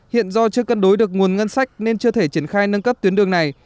hiện do chưa cân đối được nguồn ngân sách nên chưa thể triển khai nâng cấp tuyến đường này